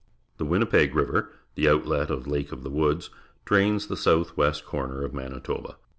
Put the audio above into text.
The Win nipeg River, the outlet of Lake of the Woods, drains the south eastern corner of Manitoba.